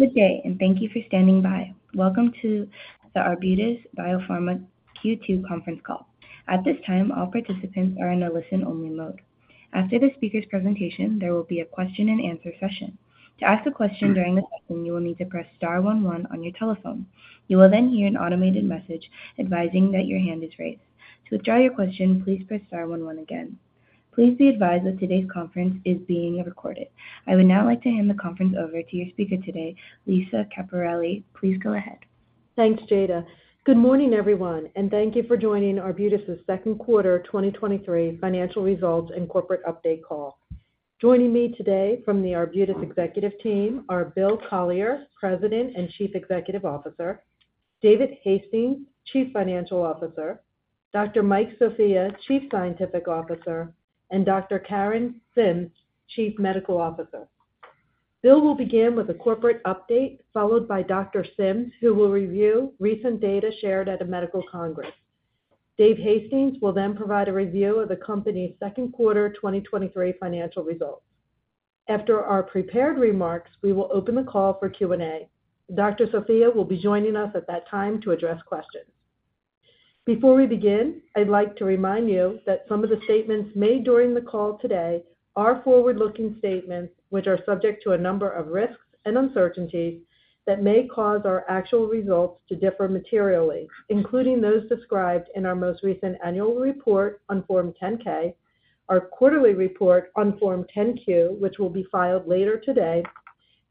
Good day, and thank you for standing by. Welcome to the Arbutus Biopharma Q2 conference call. At this time, all participants are in a listen-only mode. After the speaker's presentation, there will be a question and answer session. To ask a question during the session, you will need to press star one one on your telephone. You will then hear an automated message advising that your hand is raised. To withdraw your question, please press star one one again. Please be advised that today's conference is being recorded. I would now like to hand the conference over to your speaker today, Lisa Caperelli. Please go ahead. Thanks, Jeda. Good morning, everyone, and thank you for joining Arbutus' second quarter 2023 financial results and corporate update call. Joining me today from the Arbutus executive team are Bill Collier, President and Chief Executive Officer, David Hastings, Chief Financial Officer, Dr. Mike Sofia, Chief Scientific Officer, and Dr. Karen Sims, Chief Medical Officer. Bill will begin with a corporate update, followed by Dr. Sims, who will review recent data shared at a medical congress. Dave Hastings will then provide a review of the company's second quarter 2023 financial results. After our prepared remarks, we will open the call for Q&A. Dr. Sofia will be joining us at that time to address questions. Before we begin, I'd like to remind you that some of the statements made during the call today are forward-looking statements, which are subject to a number of risks and uncertainties that may cause our actual results to differ materially, including those described in our most recent annual report on Form 10-K, our quarterly report on Form 10-Q, which will be filed later today,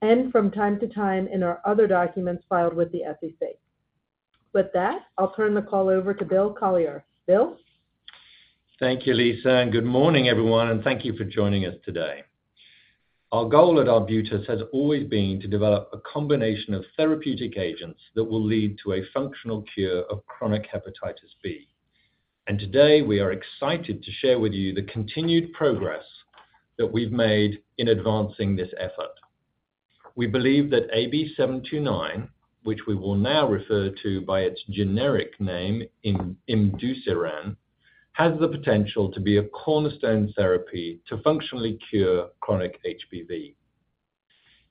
and from time to time in our other documents filed with the SEC. With that, I'll turn the call over to Bill Collier. Bill? Thank you, Lisa, and good morning everyone, and thank you for joining us today. Our goal at Arbutus has always been to develop a combination of therapeutic agents that will lead to a functional cure of chronic hepatitis B. Today, we are excited to share with you the continued progress that we've made in advancing this effort. We believe that AB-729, which we will now refer to by its generic name, imdusiran, has the potential to be a cornerstone therapy to functionally cure chronic HBV.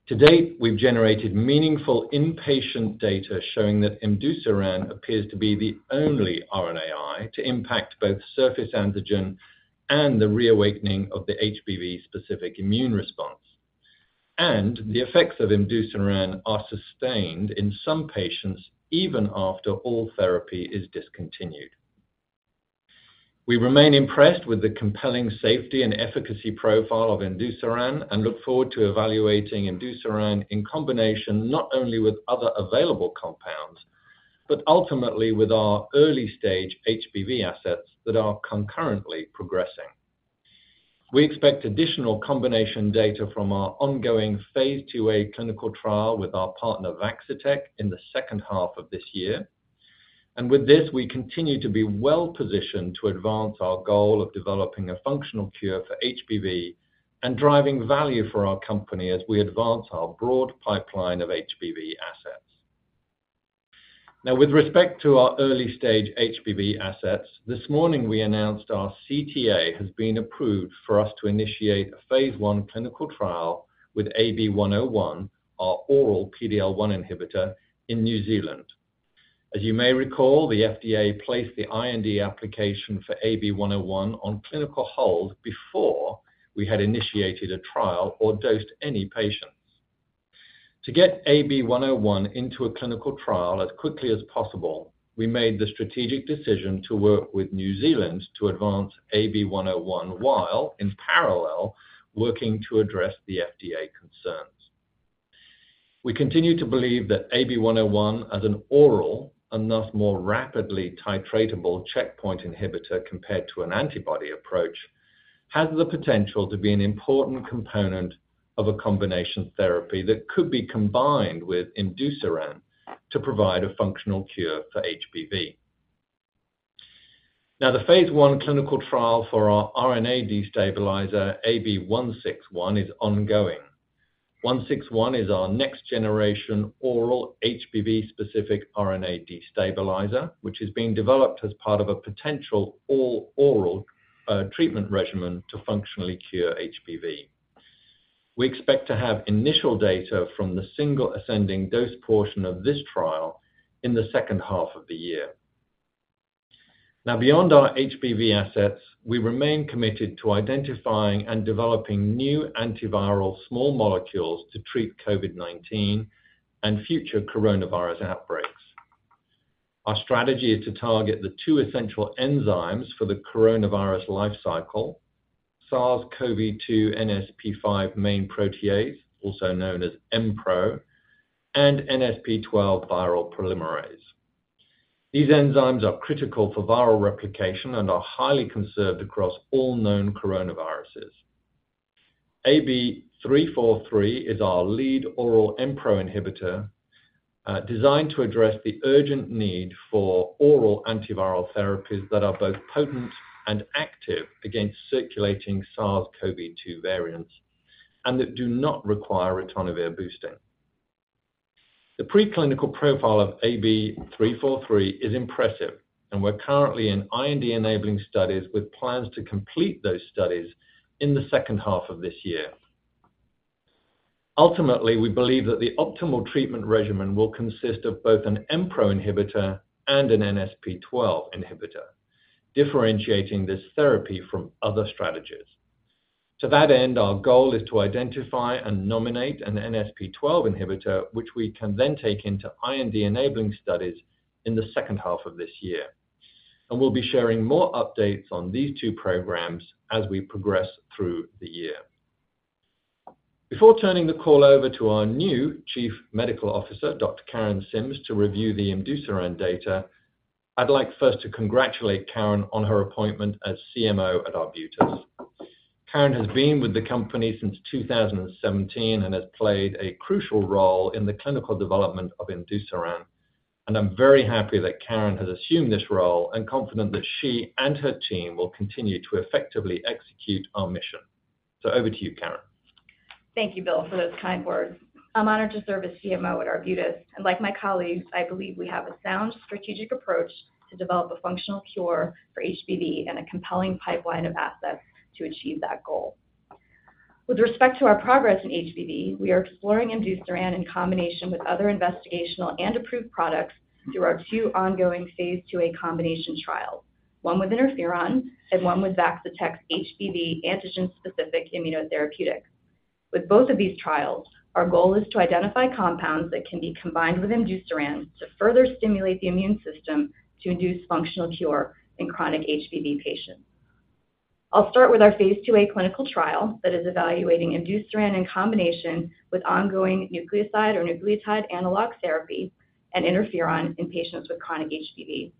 To date, we've generated meaningful in-patient data showing that imdusiran appears to be the only RNAi to impact both surface antigen and the reawakening of the HBV-specific immune response. The effects of imdusiran are sustained in some patients, even after all therapy is discontinued. We remain impressed with the compelling safety and efficacy profile of imdusiran and look forward to evaluating imdusiran in combination, not only with other available compounds, but ultimately with our early-stage HBV assets that are concurrently progressing. We expect additional combination data from our ongoing Phase IIa clinical trial with our partner, Vaccitech, in the second half of this year. With this, we continue to be well-positioned to advance our goal of developing a functional cure for HBV and driving value for our company as we advance our broad pipeline of HBV assets. Now, with respect to our early-stage HBV assets, this morning we announced our CTA has been approved for us to initiate a Phase I clinical trial with AB-101, our oral PD-L1 inhibitor in New Zealand. As you may recall, the FDA placed the IND application for AB-101 on clinical hold before we had initiated a trial or dosed any patients. To get AB-101 into a clinical trial as quickly as possible, we made the strategic decision to work with New Zealand to advance AB-101, while in parallel, working to address the FDA concerns. We continue to believe that AB-101 as an oral and thus more rapidly titratable checkpoint inhibitor compared to an antibody approach, has the potential to be an important component of a combination therapy that could be combined with imdusiran to provide a functional cure for HBV. Now, the phase one clinical trial for our RNA destabilizer, AB-161, is ongoing. AB-161 is our next generation oral HBV-specific RNA destabilizer, which is being developed as part of a potential all oral treatment regimen to functionally cure HBV. We expect to have initial data from the single ascending dose portion of this trial in the second half of the year. Now, beyond our HBV assets, we remain committed to identifying and developing new antiviral small molecules to treat COVID-19 and future coronavirus outbreaks. Our strategy is to target the two essential enzymes for the coronavirus life cycle, SARS-CoV-2 nsp5 main protease, also known as Mpro, and nsp12 viral polymerase. These enzymes are critical for viral replication and are highly conserved across all known coronaviruses. AB-343 is our lead oral Mpro inhibitor, designed to address the urgent need for oral antiviral therapies that are both potent and active against circulating SARS-CoV-2 variants, and that do not require ritonavir boosting. The preclinical profile of AB-343 is impressive, and we're currently in IND-enabling studies with plans to complete those studies in the second half of this year. Ultimately, we believe that the optimal treatment regimen will consist of both an Mpro inhibitor and an nsp12 inhibitor, differentiating this therapy from other strategies. To that end, our goal is to identify and nominate an nsp12 inhibitor, which we can then take into IND-enabling studies in the second half of this year. We'll be sharing more updates on these two programs as we progress through the year. Before turning the call over to our new Chief Medical Officer, Dr. Karen Sims, to review the imdusiran data, I'd like first to congratulate Karen on her appointment as CMO at Arbutus. Karen has been with the company since 2017 and has played a crucial role in the clinical development of imdusiran, and I'm very happy that Karen has assumed this role and confident that she and her team will continue to effectively execute our mission. Over to you, Karen. Thank you, Bill, for those kind words. I'm honored to serve as CMO at Arbutus, and like my colleagues, I believe we have a sound strategic approach to develop a functional cure for HBV and a compelling pipeline of assets to achieve that goal. With respect to our progress in HBV, we are exploring imdusiran in combination with other investigational and approved products through our two ongoing phase IIa combination trials, one with interferon and one with Vaccitech's HBV antigen-specific immunotherapeutic. With both of these trials, our goal is to identify compounds that can be combined with imdusiran to further stimulate the immune system to induce functional cure in chronic HBV patients. I'll start with our Phase IIa clinical trial that is evaluating imdusiran in combination with ongoing nucleoside or nucleotide analog therapy and interferon in patients with chronic HBV.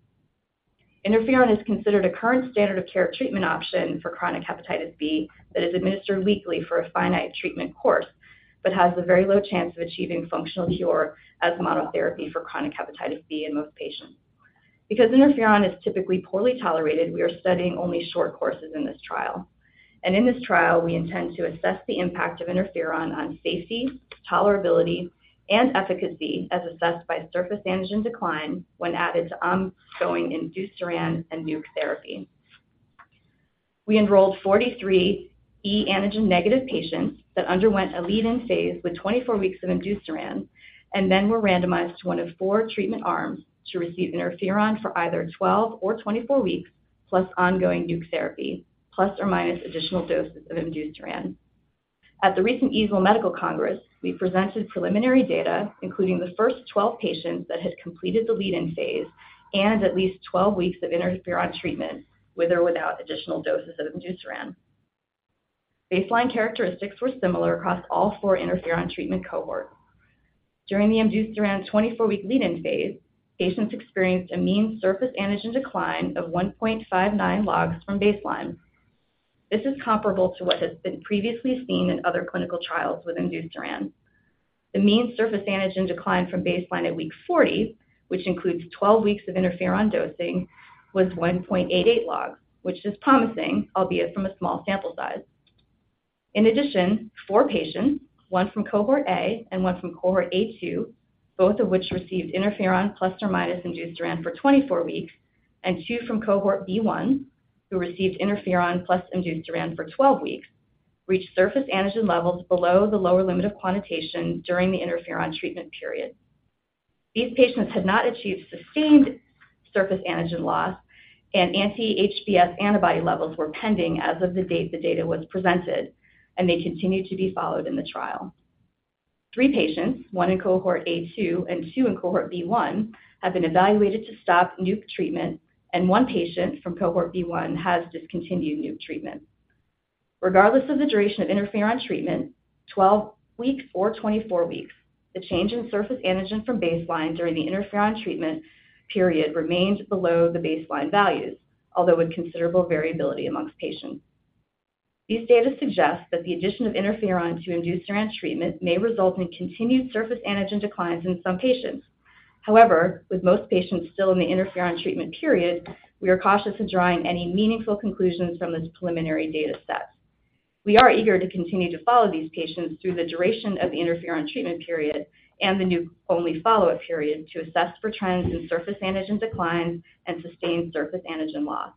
Interferon is considered a current standard of care treatment option for chronic HBV that is administered weekly for a finite treatment course, but has a very low chance of achieving functional cure as monotherapy for chronic HBV in most patients. Because interferon is typically poorly tolerated, we are studying only short courses in this trial. In this trial, we intend to assess the impact of interferon on safety, tolerability, and efficacy, as assessed by surface antigen decline when added to ongoing imdusiran and nuc therapy. We enrolled 43 HBeAg-negative patients that underwent a lead-in phase with 24 weeks of imdusiran and then were randomized to one of four treatment arms to receive interferon for either 12 or 24 weeks, plus ongoing nuc therapy, plus or minus additional doses of imdusiran. At the recent EASL Medical Congress, we presented preliminary data, including the first 12 patients that had completed the lead-in phase and at least 12 weeks of interferon treatment, with or without additional doses of imdusiran. Baseline characteristics were similar across all four interferon treatment cohorts. During the imdusiran 24-week lead-in phase, patients experienced a mean surface antigen decline of 1.59 logs from baseline. This is comparable to what has been previously seen in other clinical trials with imdusiran. The mean surface antigen decline from baseline at week 40, which includes 12 weeks of interferon dosing, was 1.88 logs, which is promising, albeit from a small sample size. In addition, four patients, one from Cohort A and one from Cohort A2, both of which received interferon plus or minus imdusiran for 24 weeks, and two from Cohort B1, who received interferon plus imdusiran for 12 weeks, reached surface antigen levels below the lower limit of quantitation during the interferon treatment period. These patients had not achieved sustained surface antigen loss, and anti-HBs antibody levels were pending as of the date the data was presented, and they continued to be followed in the trial. Three patients, one in Cohort A2 and two in Cohort B1, have been evaluated to stop nuc treatment, and one patient from Cohort B1 has discontinued nuc treatment. Regardless of the duration of interferon treatment, 12 weeks or 24 weeks, the change in surface antigen from baseline during the interferon treatment period remains below the baseline values, although with considerable variability amongst patients. These data suggest that the addition of interferon to imdusiran treatment may result in continued surface antigen declines in some patients. However, with most patients still in the interferon treatment period, we are cautious in drawing any meaningful conclusions from this preliminary data set. We are eager to continue to follow these patients through the duration of the interferon treatment period and the nuc-only follow-up period to assess for trends in surface antigen declines and sustained surface antigen loss.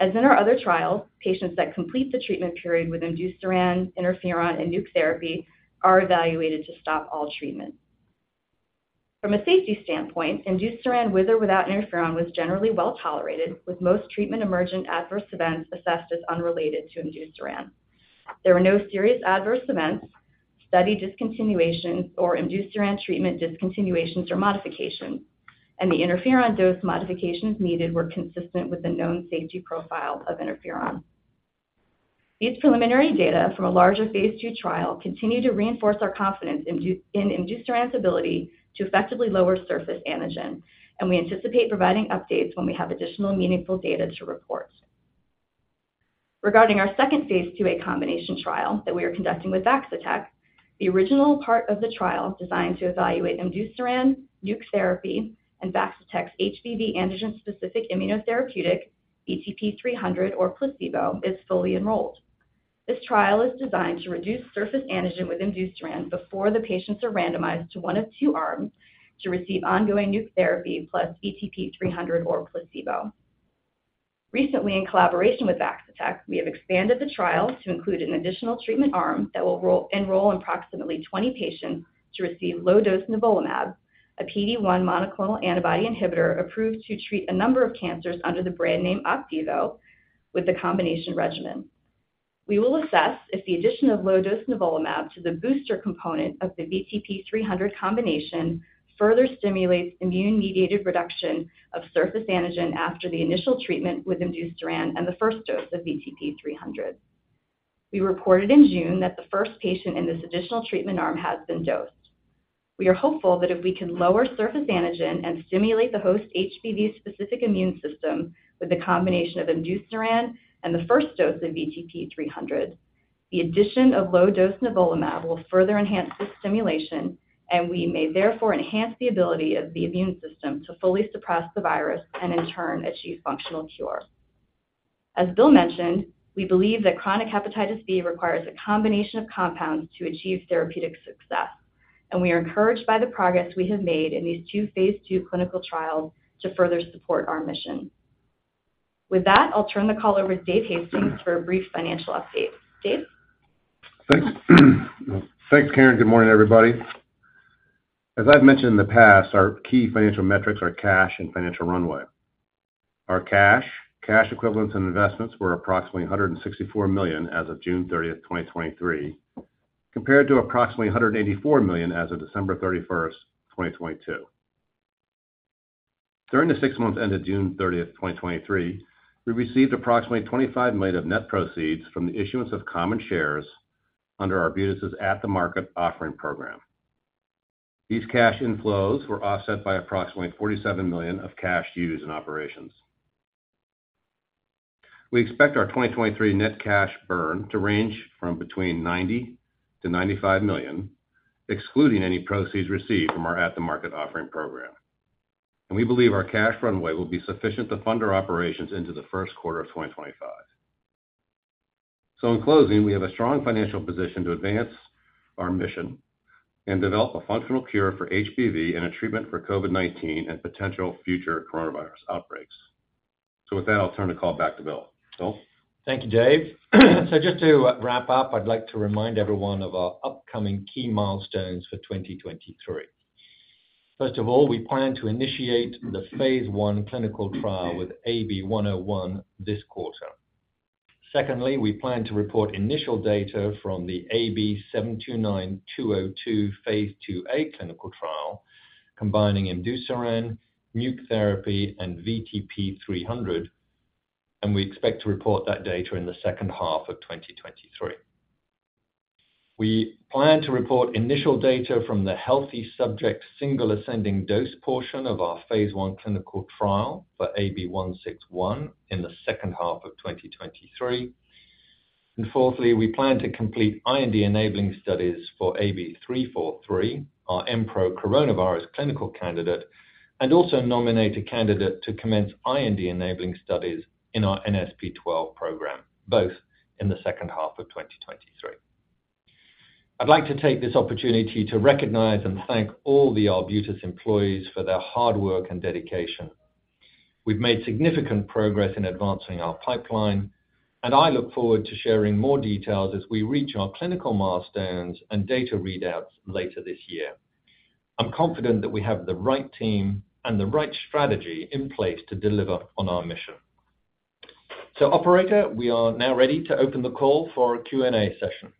As in our other trials, patients that complete the treatment period with imdusiran, interferon, and nuc therapy are evaluated to stop all treatment. From a safety standpoint, imdusiran, with or without interferon, was generally well-tolerated, with most treatment-emergent adverse events assessed as unrelated to imdusiran. There were no serious adverse events, study discontinuations, or imdusiran treatment discontinuations or modifications, and the interferon dose modifications needed were consistent with the known safety profile of interferon. These preliminary data from a larger Phase II trial continue to reinforce our confidence in imdusiran's ability to effectively lower surface antigen. We anticipate providing updates when we have additional meaningful data to report. Regarding our second Phase IIa combination trial that we are conducting with Vaccitech, the original part of the trial designed to evaluate imdusiran, nuc therapy, and Vaccitech's HBV antigen-specific immunotherapeutic, VTP-300 or placebo, is fully enrolled. This trial is designed to reduce surface antigen with imdusiran before the patients are randomized to one of two arms to receive ongoing nuc therapy plus VTP-300 or placebo. Recently, in collaboration with Vaccitech, we have expanded the trial to include an additional treatment arm that will enroll approximately 20 patients to receive low-dose nivolumab, a PD-1 monoclonal antibody inhibitor approved to treat a number of cancers under the brand name OPDIVO, with the combination regimen. We will assess if the addition of low-dose nivolumab to the booster component of the VTP-300 combination further stimulates immune-mediated reduction of surface antigen after the initial treatment with imdusiran and the first dose of VTP-300. We reported in June that the first patient in this additional treatment arm has been dosed. We are hopeful that if we can lower surface antigen and stimulate the host HBV specific immune system with a combination of imdusiran and the first dose of VTP-300, the addition of low-dose nivolumab will further enhance this stimulation. We may therefore enhance the ability of the immune system to fully suppress the virus and in turn, achieve functional cure. As Bill mentioned, we believe that chronic hepatitis B requires a combination of compounds to achieve therapeutic success. We are encouraged by the progress we have made in these two Phase II clinical trials to further support our mission. With that, I'll turn the call over to Dave Hastings for a brief financial update. Dave? Thanks. Thanks, Karen. Good morning, everybody. As I've mentioned in the past, our key financial metrics are cash and financial runway. Our cash, cash equivalents, and investments were approximately $164 million as of June 30th, 2023, compared to approximately $184 million as of December 31st, 2022. During the six months ended June 30th, 2023, we received approximately $25 million of net proceeds from the issuance of common shares under Arbutus' at-the-market offering program. These cash inflows were offset by approximately $47 million of cash used in operations. We expect our 2023 net cash burn to range from between $90 million-$95 million, excluding any proceeds received from our at-the-market offering program. We believe our cash runway will be sufficient to fund our operations into the first quarter of 2025. In closing, we have a strong financial position to advance our mission and develop a functional cure for HBV and a treatment for COVID-19 and potential future coronavirus outbreaks. With that, I'll turn the call back to Bill. Bill? Thank you, Dave. Just to wrap up, I'd like to remind everyone of our upcoming key milestones for 2023. First of all, we plan to initiate the Phase I clinical trial with AB-101 this quarter. Secondly, we plan to report initial data from the AB-729-202 Phase IIa clinical trial, combining imdusiran, nuc therapy, and VTP-300, and we expect to report that data in the second half of 2023. We plan to report initial data from the healthy subject single ascending dose portion of our Phase I clinical trial for AB-161 in the second half of 2023. Fourthly, we plan to complete IND-enabling studies for AB-343, our Mpro coronavirus clinical candidate, and also nominate a candidate to commence IND-enabling studies in our nsp12 program, both in the second half of 2023. I'd like to take this opportunity to recognize and thank all the Arbutus employees for their hard work and dedication. We've made significant progress in advancing our pipeline, and I look forward to sharing more details as we reach our clinical milestones and data readouts later this year. I'm confident that we have the right team and the right strategy in place to deliver on our mission. Operator, we are now ready to open the call for our Q&A session.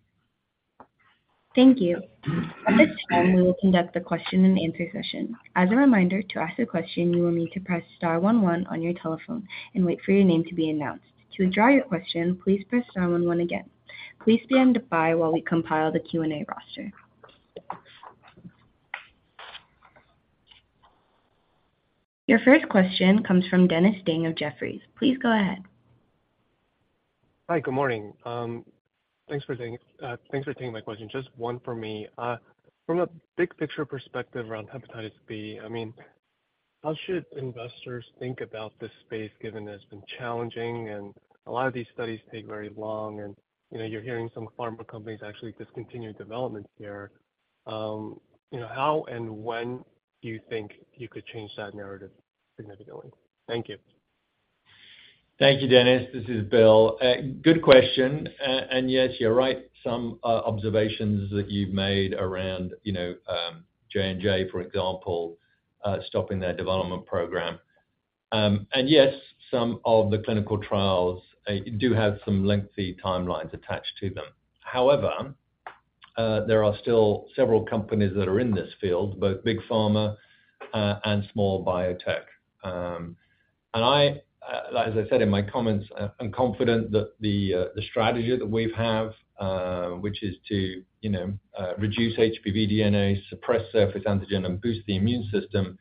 Thank you. At this time, we will conduct the question and answer session. As a reminder, to ask a question, you will need to press star one one on your telephone and wait for your name to be announced. To withdraw your question, please press star one one again. Please stand by while we compile the Q&A roster. Your first question comes from Dennis Ding of Jefferies. Please go ahead. Hi, good morning. Thanks for taking, thanks for taking my question. Just one for me. From a big picture perspective around hepatitis B, I mean, how should investors think about this space, given that it's been challenging and a lot of these studies take very long, and, you know, you're hearing some pharma companies actually discontinue development here. You know, how and when do you think you could change that narrative significantly? Thank you. Thank you, Dennis. This is Bill. good question. Yes, you're right. Some observations that you've made around, you know, J&J, for example, stopping their development program. Yes, some of the clinical trials do have some lengthy timelines attached to them. However, there are still several companies that are in this field, both big pharma, and small biotech. I, as I said in my comments, I- I'm confident that the the strategy that we've have, which is to, you know, reduce HBV DNA, suppress surface antigen, and boost the immune system,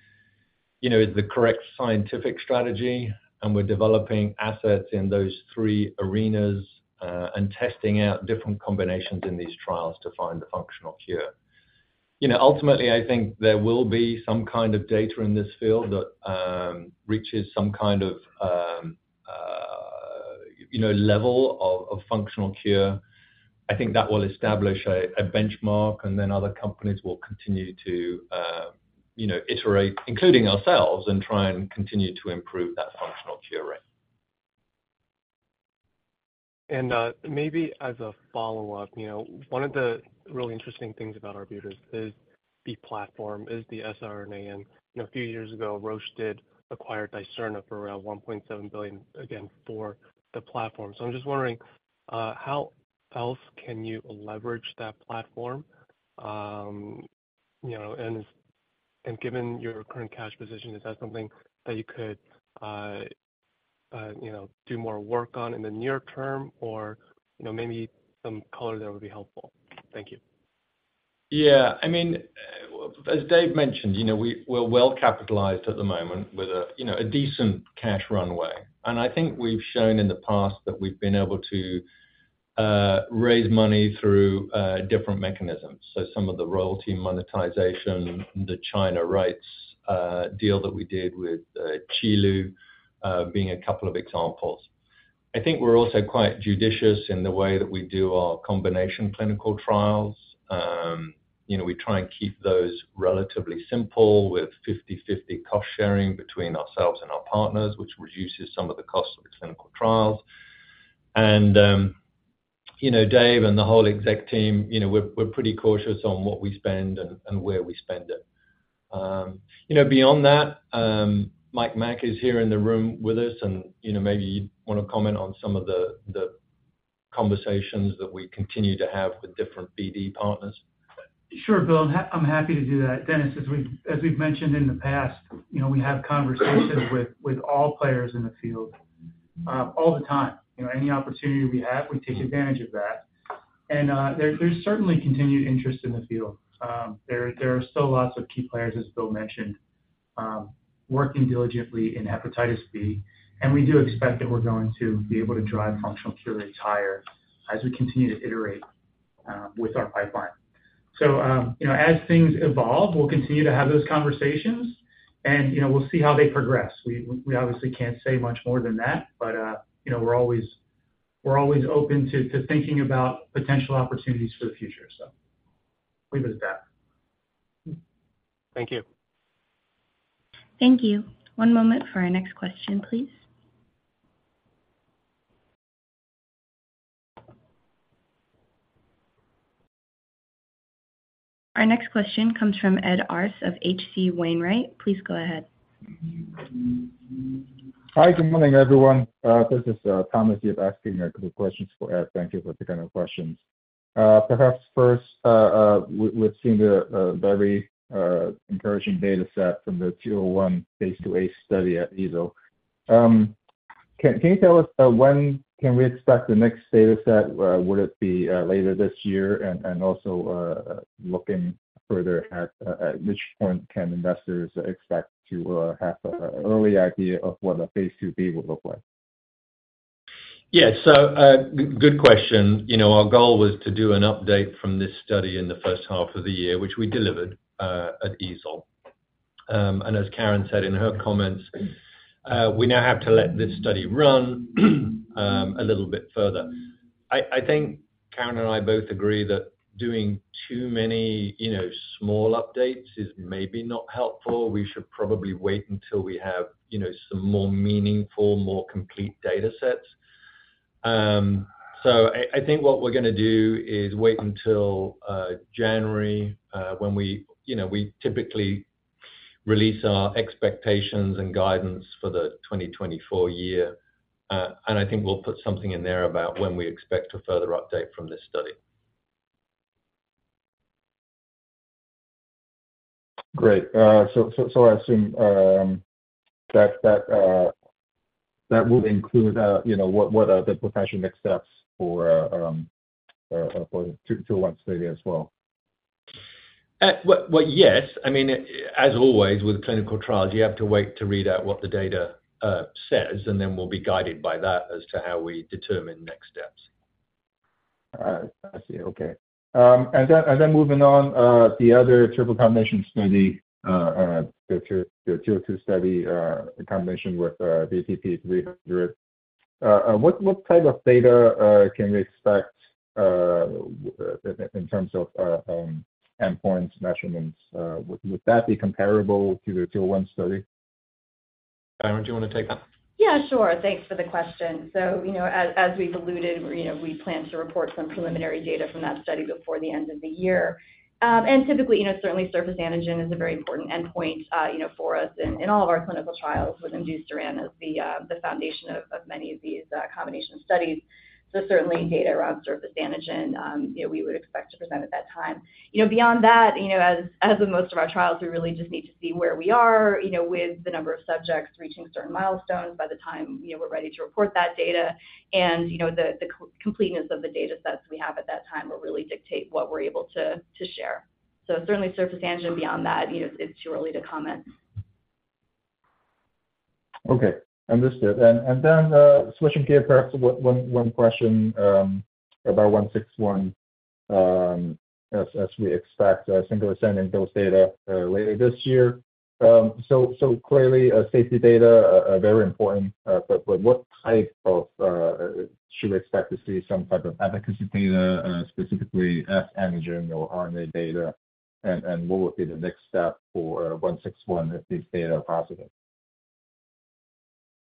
you know, is the correct scientific strategy. We're developing assets in those three arenas, and testing out different combinations in these trials to find the functional cure.... You know, ultimately, I think there will be some kind of data in this field that reaches some kind of, you know, level of, of functional cure. I think that will establish a, a benchmark, and then other companies will continue to, you know, iterate, including ourselves, and try and continue to improve that functional cure rate. Maybe as a follow-up, you know, one of the really interesting things about Arbutus is the platform, is the siRNA, and, you know, a few years ago, Roche did acquire Dicerna for around $1.7 billion, again, for the platform. I'm just wondering, how else can you leverage that platform? You know, and given your current cash position, is that something that you could, you know, do more work on in the near term? You know, maybe some color there would be helpful. Thank you. Yeah. I mean, as Dave mentioned, you know, we're well capitalized at the moment with a, you know, a decent cash runway. I think we've shown in the past that we've been able to raise money through different mechanisms. Some of the royalty monetization, the China rights deal that we did with Qilu, being a couple of examples. I think we're also quite judicious in the way that we do our combination clinical trials. You know, we try and keep those relatively simple with 50/50 cost sharing between ourselves and our partners, which reduces some of the cost of the clinical trials. Dave and the whole exec team, you know, we're, we're pretty cautious on what we spend and, and where we spend it. You know, beyond that, Mike McElhaugh is here in the room with us, and, you know, maybe you'd want to comment on some of the, the conversations that we continue to have with different BD partners. Sure, Bill. I'm happy to do that. Dennis, as we've, as we've mentioned in the past, you know, we have conversations with, with all players in the field, all the time. You know, any opportunity we have, we take advantage of that. There's, there's certainly continued interest in the field. There, there are still lots of key players, as Bill mentioned, working diligently in hepatitis B, and we do expect that we're going to be able to drive functional cure rates higher as we continue to iterate with our pipeline. You know, as things evolve, we'll continue to have those conversations, and, you know, we'll see how they progress. We, we obviously can't say much more than that, but, you know, we're always, we're always open to, to thinking about potential opportunities for the future. Leave it at that. Thank you. Thank you. One moment for our next question, please. Our next question comes from Ed Arce of H.C. Wainwright. Please go ahead. Hi, good morning, everyone. This is Thomas Yip asking a couple questions for Ed. Thank you for the kind of questions. Perhaps first, we've seen the very encouraging data set from the 201 Phase IIa study at EASL. Can you tell us, when can we expect the next data set? Would it be later this year? Also, looking further at which point can investors expect to have an early idea of what a Phase IIb will look like? Yeah. good question. You know, our goal was to do an update from this study in the first half of the year, which we delivered at EASL. As Karen said in her comments, we now have to let this study run a little bit further. I think Karen and I both agree that doing too many, you know, small updates is maybe not helpful. We should probably wait until we have, you know, some more meaningful, more complete data sets. I think what we're gonna do is wait until January, when we, you know, we typically release our expectations and guidance for the 2024 year. I think we'll put something in there about when we expect a further update from this study. Great. So, I assume, that, that, that will include, you know, what, what are the potential next steps for, for the 201 study as well? Well, well, yes. I mean, as always, with clinical trials, you have to wait to read out what the data says, and then we'll be guided by that as to how we determine next steps. I see. Okay. Then, then moving on, the other triple combination study, the two, the 202 study, in combination with VTP-300. What, what type of data can we expect in terms of endpoints measurements? Would that be comparable to the 201 study? Karen, do you want to take that? Yeah, sure. Thanks for the question. You know, as, as we've alluded, you know, we plan to report some preliminary data from that study before the end of the year. Typically, you know, certainly surface antigen is a very important endpoint, you know, for us in, in all of our clinical trials with imdusiran as the foundation of many of these combination studies. Certainly data around surface antigen, you know, we would expect to present at that time. You know, beyond that, you know, as, as with most of our trials, we really just need to see where we are, you know, with the number of subjects reaching certain milestones by the time, you know, we're ready to report that data. You know, the completeness of the datasets we have at that time will really dictate what we're able to, to share. certainly surface antigen beyond that, you know, it's too early to comment. Okay, understood. And then, switching gears, perhaps, one, one, one question, about AB-161, as, as we expect a single ascending dose data, later this year. So clearly, safety data are, are very important, but, but what type of, should we expect to see some type of efficacy data, specifically S antigen or RNA data? And what would be the next step for AB-161 if these data are positive?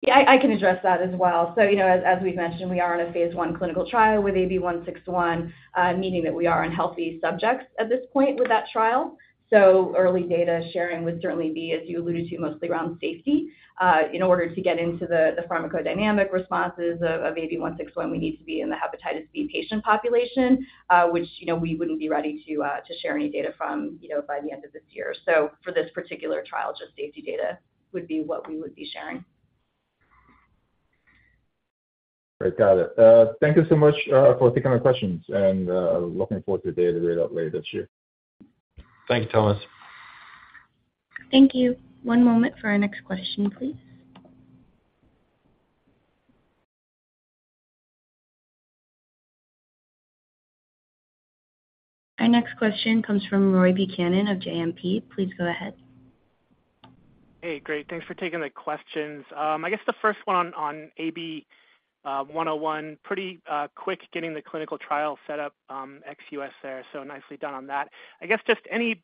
Yeah, I, I can address that as well. You know, as, as we've mentioned, we are in a Phase I clinical trial with AB-161, meaning that we are in healthy subjects at this point with that trial. Early data sharing would certainly be, as you alluded to, mostly around safety. In order to get into the, the pharmacodynamic responses of, of AB-161, we need to be in the hepatitis B patient population, which, you know, we wouldn't be ready to share any data from, you know, by the end of this year. For this particular trial, just safety data would be what we would be sharing. Great. Got it. Thank you so much for taking my questions, and looking forward to the data read out later this year. Thank you, Thomas. Thank you. One moment for our next question, please. Our next question comes from Roy Buchanan of JMP. Please go ahead. Hey, great. Thanks for taking the questions. I guess the first one on AB-101. Pretty quick getting the clinical trial set up, ex U.S. there, so nicely done on that. I guess just any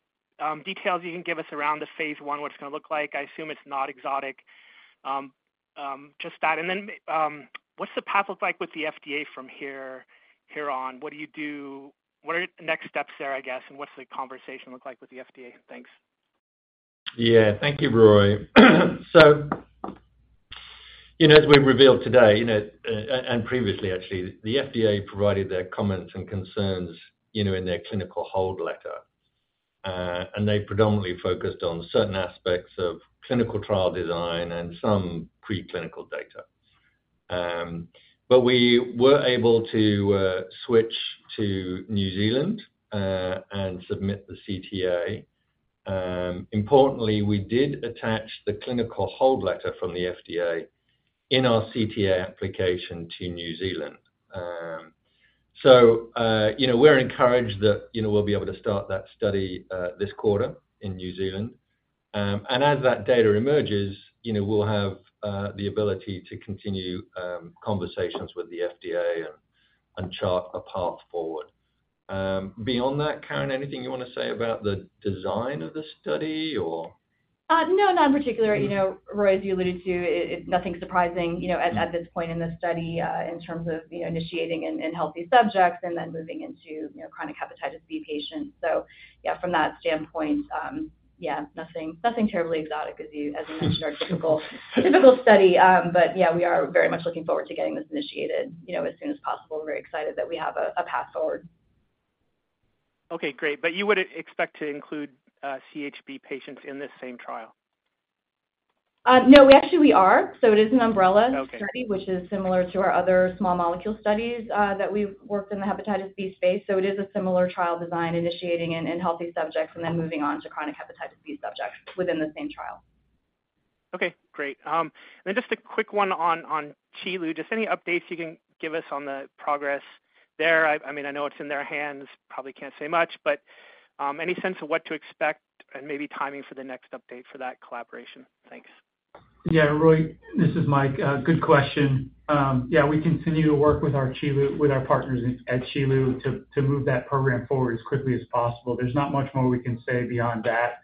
details you can give us around the Phase I, what it's gonna look like? I assume it's not exotic. Just that. Then, what's the path look like with the FDA from here, here on? What do you do? What are the next steps there, I guess, and what's the conversation look like with the FDA? Thanks. Yeah. Thank you, Roy. You know, as we've revealed today, you know, and, and previously, actually, the FDA provided their comments and concerns, you know, in their clinical hold letter. They predominantly focused on certain aspects of clinical trial design and some preclinical data. We were able to switch to New Zealand, and submit the CTA. Importantly, we did attach the clinical hold letter from the FDA in our CTA application to New Zealand. You know, we're encouraged that, you know, we'll be able to start that study, this quarter in New Zealand. As that data emerges, you know, we'll have the ability to continue conversations with the FDA and, and chart a path forward. Beyond that, Karen, anything you wanna say about the design of the study or? No, not in particular. You know, Roy, as you alluded to, it, it's nothing surprising, you know, at, at this point in the study, in terms of, you know, initiating in, in healthy subjects and then moving into, you know, chronic hepatitis B patients. Yeah, from that standpoint, yeah, nothing, nothing terribly exotic, as you, as you mentioned, a typical, typical study. Yeah, we are very much looking forward to getting this initiated, you know, as soon as possible. We're very excited that we have a, a path forward. Okay, great. You wouldn't expect to include CHB patients in this same trial? No, actually, we are. It is an umbrella- Okay. study, which is similar to our other small molecule studies, that we've worked in the hepatitis B space. It is a similar trial design, initiating in, in healthy subjects and then moving on to chronic hepatitis B subjects within the same trial. Okay, great. Just a quick one on, on Qilu. Just any updates you can give us on the progress there? I, I mean, I know it's in their hands, probably can't say much, but, any sense of what to expect and maybe timing for the next update for that collaboration? Thanks. Yeah, Roy, this is Mike. Good question. Yeah, we continue to work with our partners at, at Qilu, to, to move that program forward as quickly as possible. There's not much more we can say beyond that.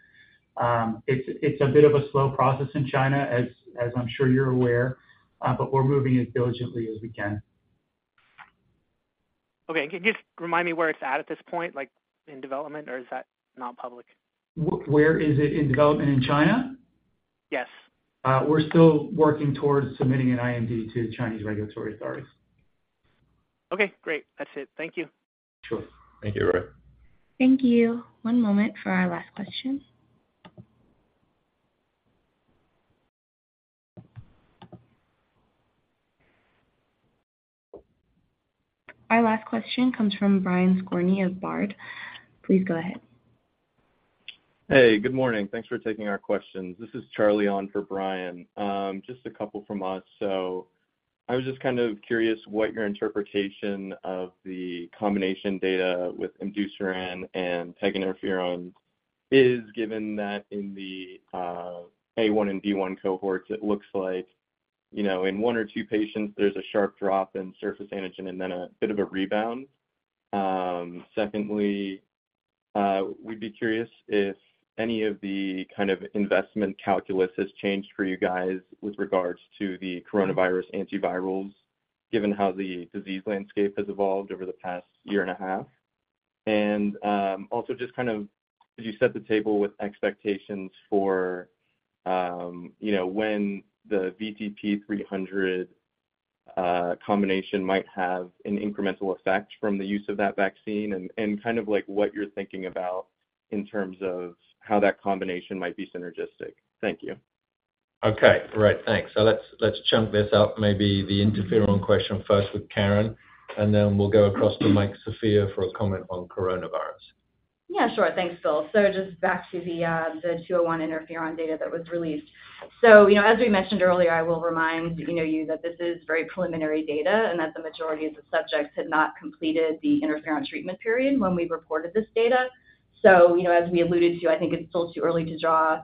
It's, it's a bit of a slow process in China, as, as I'm sure you're aware, but we're moving as diligently as we can. Okay. Can you just remind me where it's at at this point, like, in development, or is that not public? Where is it in development in China? Yes. We're still working towards submitting an IND to the Chinese regulatory authorities. Okay, great. That's it. Thank you. Sure. Thank you, Roy. Thank you. One moment for our last question. Our last question comes from Brian Skorney of Baird. Please go ahead. Hey, good morning. Thanks for taking our questions. This is Charlie on for Brian. Just a couple from us. I was just kind of curious what your interpretation of the combination data with imdusiran and pegylated interferon is, given that in the A1 and B1 cohorts, it looks like, you know, in one or two patients, there's a sharp drop in surface antigen and then a bit of a rebound. Secondly, we'd be curious if any of the kind of investment calculus has changed for you guys with regards to the coronavirus antivirals, given how the disease landscape has evolved over the past year and a half. Also, just kind of, could you set the table with expectations for, you know, when the VTP-300 combination might have an incremental effect from the use of that vaccine and, and kind of like what you're thinking about in terms of how that combination might be synergistic? Thank you. Okay. Great. Thanks. Let's, let's chunk this up. Maybe the interferon question first with Karen, and then we'll go across to Mike Sofia for a comment on coronavirus. Yeah, sure. Thanks, Phil. Just back to the 201 interferon data that was released. You know, as we mentioned earlier, I will remind, you know, you that this is very preliminary data and that the majority of the subjects had not completed the interferon treatment period when we reported this data. You know, as we alluded to, I think it's still too early to draw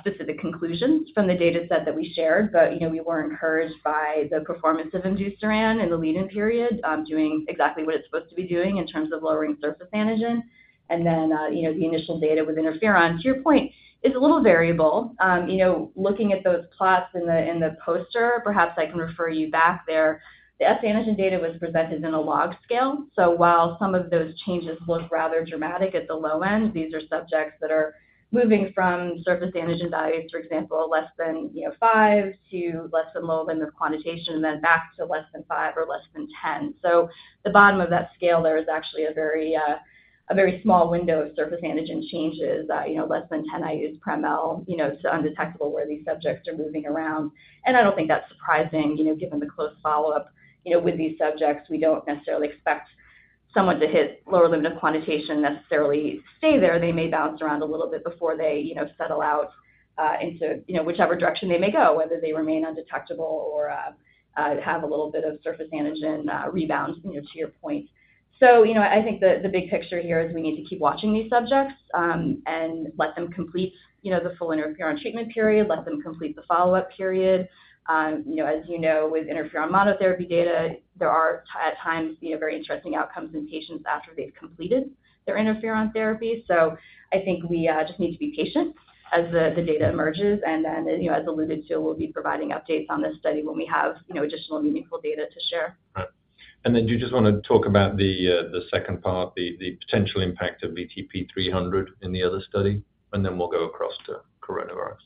specific conclusions from the data set that we shared. You know, we were encouraged by the performance of imdusiran in the lead-in period, doing exactly what it's supposed to be doing in terms of lowering surface antigen. Then, you know, the initial data with interferon, to your point, is a little variable. You know, looking at those plots in the, in the poster, perhaps I can refer you back there. The S antigen data was presented in a log scale, while some of those changes look rather dramatic at the low end, these are subjects that are moving from surface antigen values, for example, less than, you know, five to less than low than the quantitation, and then back to less than five or less than 10. The bottom of that scale there is actually a very, a very small window of surface antigen changes, you know, less than 10 IU/mL, you know, to undetectable where these subjects are moving around. I don't think that's surprising, you know, given the close follow-up. You know, with these subjects, we don't necessarily expect someone to hit lower limit of quantitation, necessarily stay there. They may bounce around a little bit before they, you know, settle out, into, you know, whichever direction they may go, whether they remain undetectable or, have a little bit of surface antigen, rebound, you know, to your point. You know, I think the, the big picture here is we need to keep watching these subjects, and let them complete, you know, the full interferon treatment period, let them complete the follow-up period. You know, as you know, with interferon monotherapy data, there are at times, you know, very interesting outcomes in patients after they've completed their interferon therapy. I think we, just need to be patient as the, the data emerges, and then, you know, as alluded to, we'll be providing updates on this study when we have, you know, additional meaningful data to share. Right. Then do you just want to talk about the second part, the potential impact of VTP-300 in the other study? Then we'll go across to coronavirus.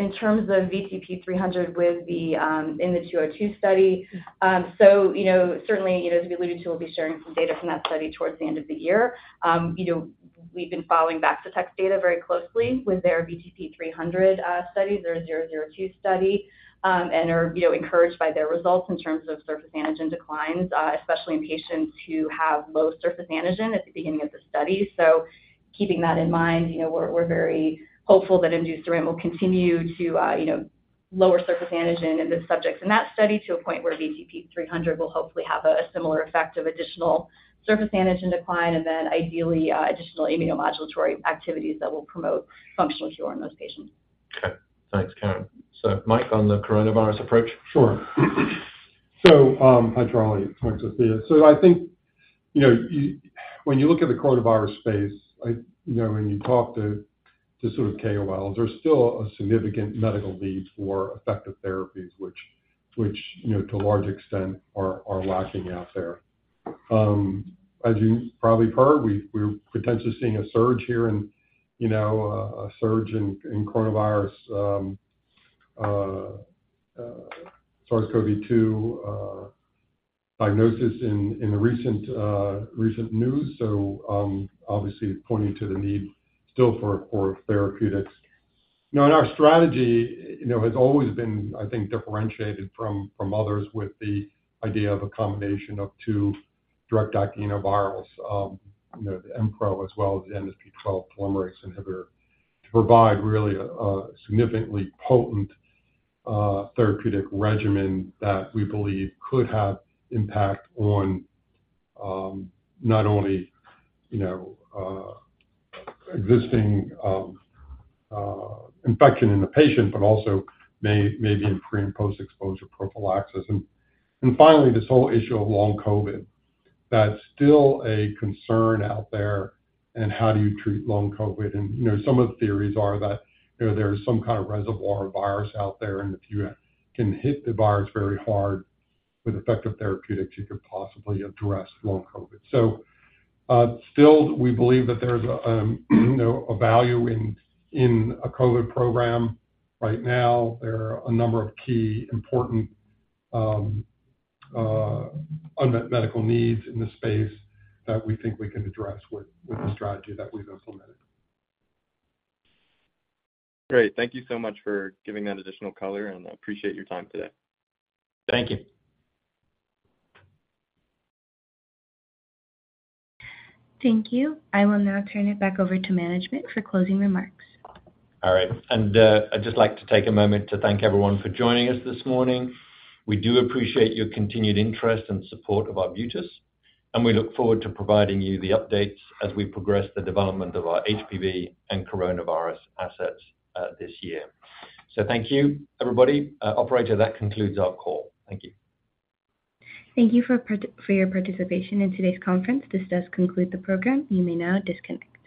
In terms of VTP-300 with the in the 202 study, you know, certainly, you know, as we alluded to, we'll be sharing some data from that study towards the end of the year. You know, we've been following Vaccitech data very closely with their VTP-300 study, their 002 study, and are, you know, encouraged by their results in terms of surface antigen declines, especially in patients who have low surface antigen at the beginning of the study. Keeping that in mind, you know, we're, we're very hopeful that imdusiran will continue to, you know, lower surface antigen in the subjects in that study to a point where VTP-300 will hopefully have a similar effect of additional surface antigen decline, and then ideally, additional immunomodulatory activities that will promote functional cure in those patients. Okay. Thanks, Karen. Mike, on the coronavirus approach? Sure. Hi, Charlie. Mike Sofia. I think, you know, when you look at the coronavirus space, I, you know, when you talk to, to sort of KOLs, there's still a significant medical need for effective therapies, which, which, you know, to a large extent, are, are lacking out there. As you probably heard, we, we're potentially seeing a surge here in, you know, a surge in, in coronavirus, SARS-CoV-2 diagnosis in, in the recent, recent news. Obviously pointing to the need still for, for therapeutics. Now, our strategy, you know, has always been, I think, differentiated from, from others with the idea of a combination of two direct-acting antivirals, you know, the Mpro as well as the nsp12 polymerase inhibitor, to provide really a, a significantly potent therapeutic regimen that we believe could have impact on, not only, you know, existing infection in the patient, but also may, maybe in pre- and post-exposure prophylaxis. Finally, this whole issue of long COVID. That's still a concern out there and how do you treat long COVID? You know, some of the theories are that, you know, there is some kind of reservoir virus out there, and if you can hit the virus very hard with effective therapeutics, you could possibly address long COVID. Still, we believe that there's a, you know, a value in, in a COVID program. Right now, there are a number of key important unmet medical needs in this space that we think we can address with, with the strategy that we've implemented. Great. Thank you so much for giving that additional color, and I appreciate your time today. Thank you. Thank you. I will now turn it back over to management for closing remarks. All right. I'd just like to take a moment to thank everyone for joining us this morning. We do appreciate your continued interest and support of Arbutus, and we look forward to providing you the updates as we progress the development of our HBV and coronavirus assets this year. Thank you, everybody. Operator, that concludes our call. Thank you. Thank you for your participation in today's conference. This does conclude the program. You may now disconnect.